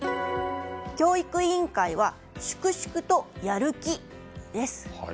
教育委員会は粛々とやる気です。